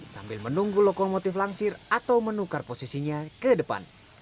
sambil menunggu lokomotif langsir atau menukar posisinya ke depan